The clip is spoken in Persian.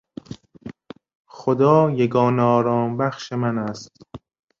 خدا یگانه آرامبخش من است.